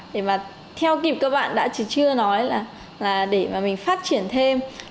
để mà theo kịp các bạn đã chưa nói là để mà mình phát triển thêm